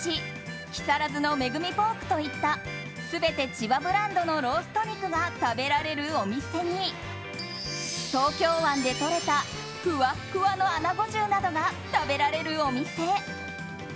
木更津の恵みポークといったすべて千葉ブランドのロースト肉が食べられるお店に東京湾でとれたふわふわのアナゴ重などが食べられるお店。